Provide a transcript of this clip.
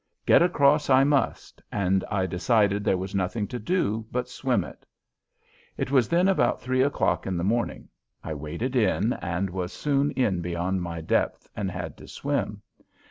Get across I must, and I decided there was nothing to do but swim it. It was then about three o'clock in the morning. I waded in and was soon in beyond my depth and had to swim.